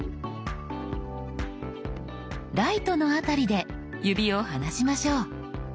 「ライト」の辺りで指を離しましょう。